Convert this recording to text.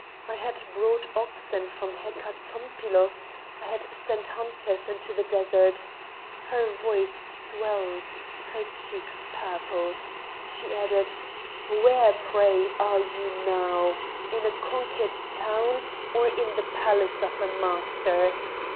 I had brought oxen from Hecatompylos; I had sent hunters into the desert!" Her voice swelled; her cheeks purpled. She added, "Where, pray, are you now? In a conquered town, or in the palace of a master?